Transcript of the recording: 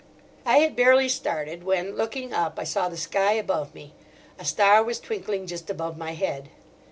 I had barely started, when, looking up, I saw the sky above me: a star was twinkling just above my head.